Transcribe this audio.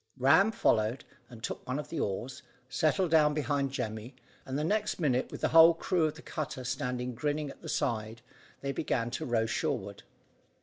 Ram followed, and took one of the oars, settled down behind Jemmy, and the next minute, with the whole crew of the cutter standing grinning at the side, they began to row shoreward.